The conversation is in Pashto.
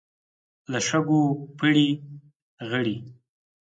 له شګو پړي غړي.